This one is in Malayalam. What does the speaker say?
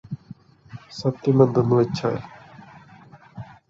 സത്യമെന്താന്നുവെച്ചാല്